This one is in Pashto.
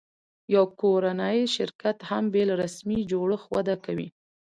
یو کورنی شرکت هم بېله رسمي جوړښت وده کوي.